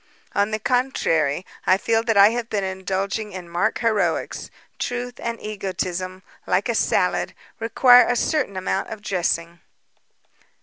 "On the contrary, I fear that I have been indulging in mock heroics. Truth and egotism like a salad require a certain amount of dressing."